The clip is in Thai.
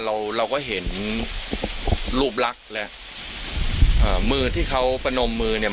เราเราก็เห็นรูปลักษณ์และเอ่อมือที่เขาพนมมือเนี่ย